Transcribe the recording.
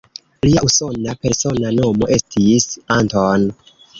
Lia usona persona nomo estis "Anton".